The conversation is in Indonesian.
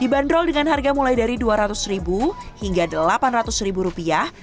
dibanderol dengan harga mulai dari dua ratus ribu hingga delapan ratus ribu rupiah